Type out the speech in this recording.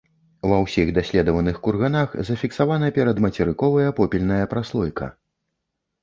Ва ўсіх даследаваных курганах зафіксавана перадмацерыковая попельная праслойка.